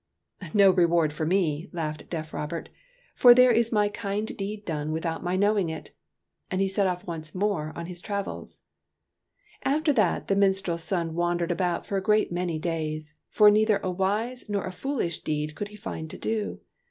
" No reward for me !" laughed deaf Robert ;" for there is my kind deed done without my knowing it !" And off he set once more on his travels. After that, the minstrel's son wandered about for a great many days ; for neither a wise nor a foolish deed could he find to do.